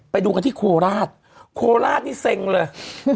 ไปดูกันที่โคราชโคราชนี่เซ็งเลย